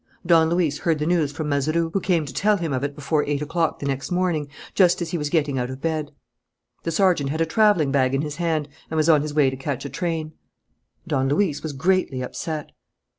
Don Luis heard the news from Mazeroux, who came to tell him of it before eight o'clock the next morning, just as he was getting out of bed. The sergeant had a travelling bag in his hand and was on his way to catch a train. Don Luis was greatly upset.